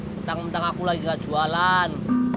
bentang bentang aku lagi gak jualan